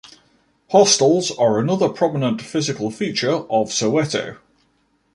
Hostels are another prominent physical feature of Soweto.